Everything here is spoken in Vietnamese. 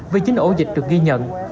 với chín ổ dịch được ghi nhận